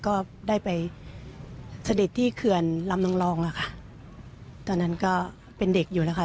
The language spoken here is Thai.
ก็ได้ไปเสด็จที่เขื่อนลำนางรองอะค่ะตอนนั้นก็เป็นเด็กอยู่แล้วค่ะ